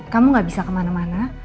kamu gak bisa kemana mana